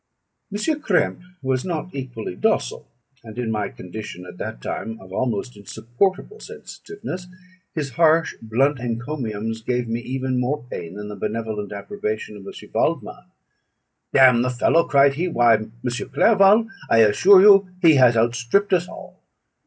M. Krempe was not equally docile; and in my condition at that time, of almost insupportable sensitiveness, his harsh blunt encomiums gave me even more pain than the benevolent approbation of M. Waldman. "D n the fellow!" cried he; "why, M. Clerval, I assure you he has outstript us all.